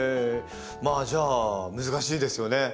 まあじゃあ難しいですよね